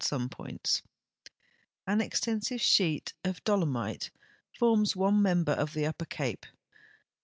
some points. An extensive sheet of dolomite forms one mem ber of the Up))er Cape.